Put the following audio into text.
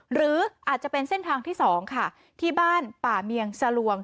หรืออาจจะเป็นเส้นทางที่๒ค่ะที่บ้านป่าเมียงสลวง